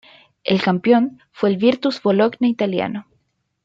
El campeón fue el Virtus Bologna italiano.